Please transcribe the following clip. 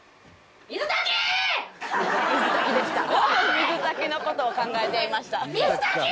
「水炊きの事を考えていました」